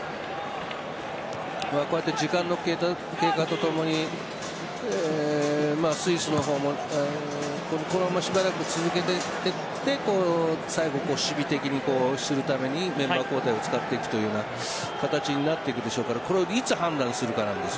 時間の経過とともにスイスの方もこのまましばらく続けていって最後、守備的にするためにメンバー交代を使っていくような形になっていくでしょうからこれをいつ判断するかなんです